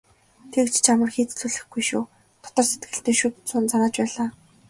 "Тэгж ч амар хийцлүүлэхгүй шүү" дотор сэтгэлдээ шүд зуун занаж байлаа.